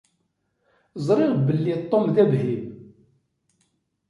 Ẓriɣ belli Tom d abhim.